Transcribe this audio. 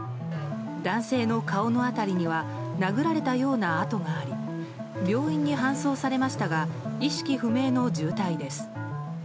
男性の顔の辺りには殴られたような痕があり病院に搬送されましたが意識不明の重体です。